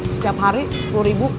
setiap hari sepuluh ribu